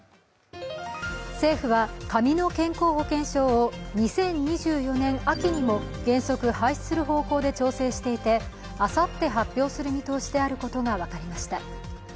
政府は紙の健康保険証を２０２４年秋にも原則廃止する方向で調整していてあさって発表する見通しであることが分かりました。